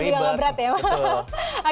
bawaannya juga gak berat ya mas